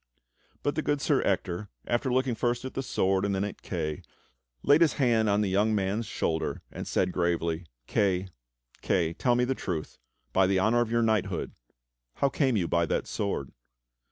But the good Sir Ector, after looking first at the sword and then at Kay, laid his hand on the young man's shoulder and said gravely : "Kay, Kay, tell me the truth, by the honor of your knighthood, how came you by that sword.